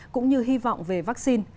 cũng như hy vọng về vaccine